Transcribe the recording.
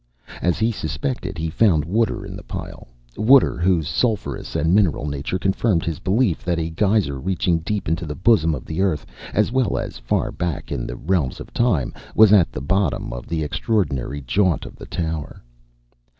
As he suspected, he found water in the pile water whose sulfurous and mineral nature confirmed his belief that a geyser reaching deep into the bosom of the earth, as well as far back in the realms of time, was at the bottom of the extraordinary jaunt of the tower.